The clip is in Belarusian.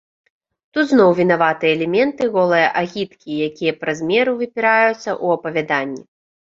Тут зноў вінаваты элементы голае агіткі, якія праз меру выпіраюцца ў апавяданні.